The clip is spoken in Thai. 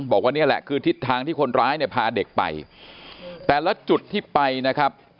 บอกว่านี่แหละคือทิศทางที่คนร้ายเนี่ยพาเด็กไปแต่ละจุดที่ไปนะครับ